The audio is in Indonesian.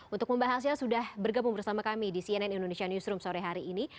untuk membahasnya sudah bergabung bersama kami di cnn indonesia newsroom sore hari ini